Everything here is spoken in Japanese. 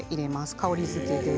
香りづけです。